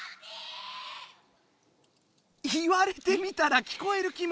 言われてみたら聞こえる気も。